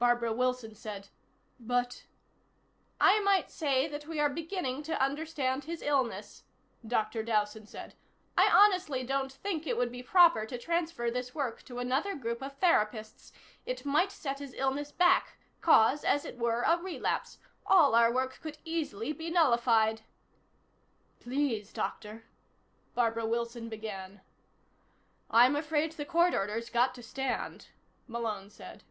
Barbara Wilson said: "But " "I might say that we are beginning to understand his illness," Dr. Dowson said. "I honestly don't think it would be proper to transfer this work to another group of therapists. It might set his illness back cause, as it were, a relapse. All our work could easily be nullified." "Please, Doctor," Barbara Wilson began. "I'm afraid the court order's got to stand," Malone said.